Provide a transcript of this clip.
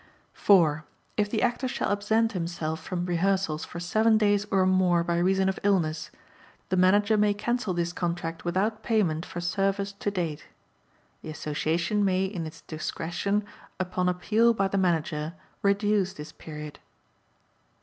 4. If the Actor shall absent himself from rehearsals for seven days or more by reason of illness, the Manager may cancel this contract without payment for service to date. The Association may, in its discretion, upon appeal by the Manager, reduce this period.